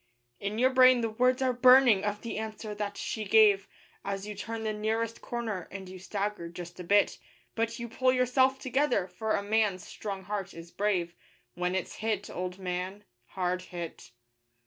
In your brain the words are burning of the answer that she gave, As you turn the nearest corner and you stagger just a bit; But you pull yourself together, for a man's strong heart is brave When it's hit, old man hard hit.